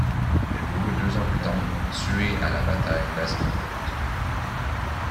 Il mourut deux ans plus tard, tué à la bataille d'Azincourt.